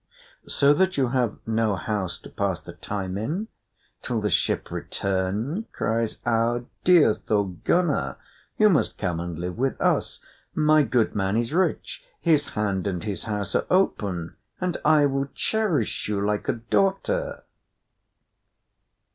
"So that you have no house to pass the time in till the ship return?" cries Aud. "Dear Thorgunna, you must come and live with us. My goodman is rich, his hand and his house are open, and I will cherish you like a daughter."